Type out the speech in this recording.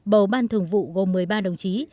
bầu ban thường vụ gồm một mươi ba đồng chí